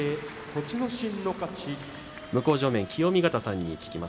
向正面、清見潟さん